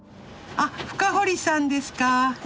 あっ深堀さんですか？